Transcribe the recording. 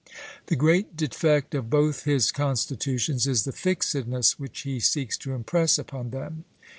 The great defect of both his constitutions is the fixedness which he seeks to impress upon them.